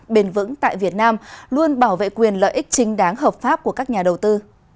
bền vững tại việt nam luôn bảo vệ quyền lợi ích chính đáng hợp pháp của các nhà đầu tư